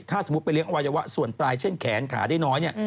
ถ้าสมมุติไปเลี้ยอวัยวะส่วนปลายเช่นแขนขาได้น้อยเนี่ย